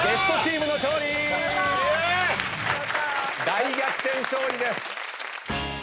大逆転勝利です。